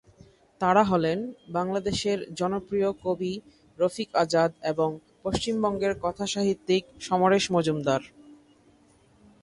তাঁরা হলেন বাংলাদেশের জনপ্রিয় কবি রফিক আজাদ এবং পশ্চিমবঙ্গের কথাসাহিত্যিক সমরেশ মজুমদার।